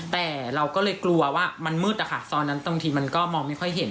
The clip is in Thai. แต่เราก็เลยกลัวว่ามันมืดอะค่ะตอนนั้นบางทีมันก็มองไม่ค่อยเห็น